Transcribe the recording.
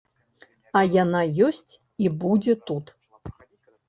А яна ёсць і будзе тут.